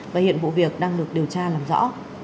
và hiện vụ việc đang được điều tra làm rõ